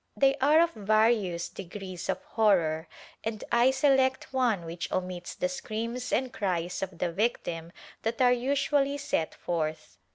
They are of various degrees of horror and I select one which omits the screams and cries of the victim that are usually set forth.